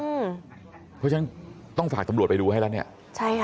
เพราะฉะนั้นต้องฝากตำรวจไปดูให้แล้วเนี่ยใช่ค่ะ